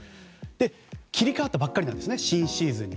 切り替わったばっかりなんですね新シーズンに。